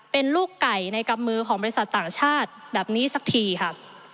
เป็นลูกไก่ในกำมือของบริษัทต่างชาติแบบนี้สักทีค่ะ